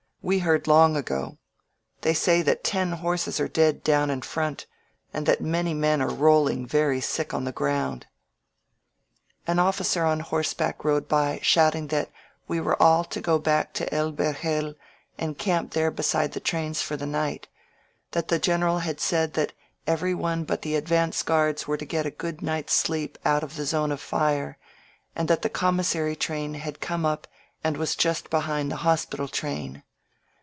We heard long ago. They say that ten horses are dead down in front, and that many men are rolling very sick on the ground." 234 BETWEEN ATTACKS An ofiScer on horseback rode by, shouting that we were all to go back to El Verjel and camp there beside the trains for the night; that the general had said that everyone but the advance guards were to get a good night's sleep out of the zone of fire, and that the commissary train had come up and was just behind the hospital train.